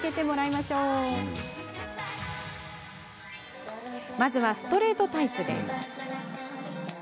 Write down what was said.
まずは、ストレートタイプです。